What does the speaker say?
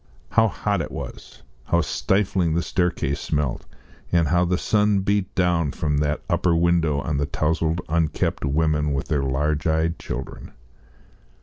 How hot it was! how stifling the staircase smelt, and how the sun beat down from that upper window on the towzled unkempt women with their large eyed children.